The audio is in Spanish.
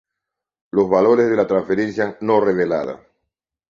Los valores de la transferencia no revelada.